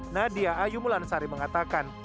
nadia ayu mulansari mengatakan